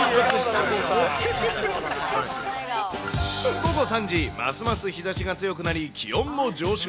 午後３時、ますます日ざしが強くなり、気温も上昇。